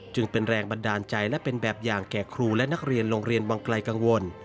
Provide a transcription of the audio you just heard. จึงเป็นแรงบันดาลใจและเป็นแบบอย่างแก่ครูและนักเรียนโรงเรียนวังไกลกังวล